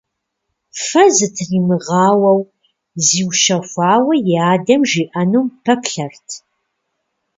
Фэ зытримыгъауэу зиущэхуауэ и адэм жиӏэнум пэплъэрт.